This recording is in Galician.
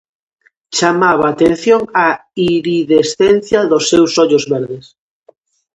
Chamaba a atención a iridescencia dos seus ollos verdes.